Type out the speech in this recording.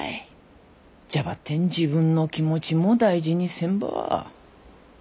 じゃばってん自分の気持ちも大事にせんば。